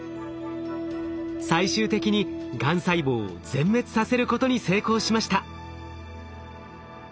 最終的にがん細胞を全滅させることに成功しました。